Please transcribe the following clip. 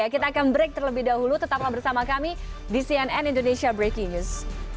kita akan break terlebih dahulu tetaplah bersama kami di cnn indonesia breaking news